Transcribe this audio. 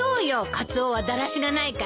カツオはだらしがないから。